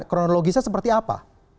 kronologisnya seperti apa